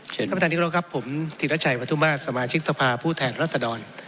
ท่านประธานทิกฤษครับผมศิษย์ระชัยประทุมบาทสมาชิกษภาผู้แทนรัศดร